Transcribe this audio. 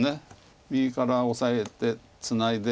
右からオサえてツナいで。